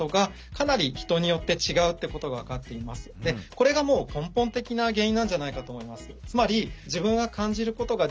これがもう根本的な原因なんじゃないかと思います。